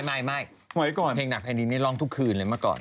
ไม่เพลงหนักแผ่นนี้ร้องทุกคืนเลยเมื่อก่อน